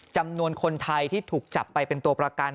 จำนวนคนไทยที่ถูกจับไปเป็นตัวประกัน